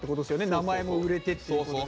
名前も売れてっていうことで。